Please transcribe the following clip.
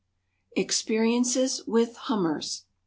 EXPERIENCES WITH "HUMMERS."